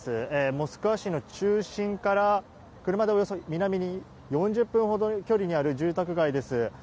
モスクワ市の中心から車でおよそ南に４０分ほどの距離にある住宅街です。